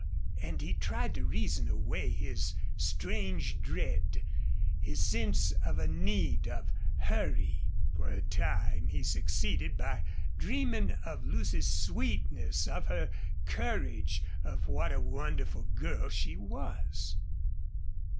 And he tried to reason away his strange dread, his sense of a need of hurry. For a time he succeeded by dreaming of Lucy's sweetness, of her courage, of what a wonderful girl she was.